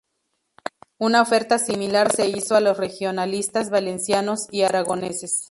Una oferta similar se hizo a los regionalistas valencianos y aragoneses.